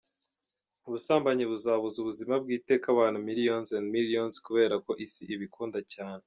Ubusambanyi buzabuza ubuzima bw’iteka abantu millions and millions kubera ko isi ibukunda cyane.